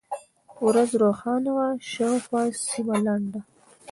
ورځ روښانه وه، شاوخوا سیمه لنده.